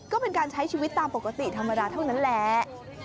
ก็เป็นการใช้ชีวิตตามปกติธรรมดาเท่านั้นแหละ